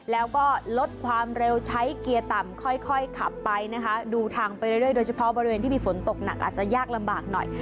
แล้วก็ลดความเร็วใช้เกียร์ต่ำค่อยขับไปนะคะดูทางไปเรื่อยโดยเฉพาะบริเวณที่มีฝนตกหนักอาจจะยากลำบากหน่อย